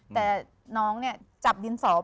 แต่น้องนี่จับดินสอเป็น